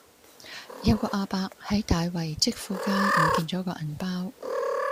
有個亞伯喺大圍積富街唔見左個銀包